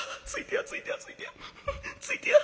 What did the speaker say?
ついてやついてやついてや。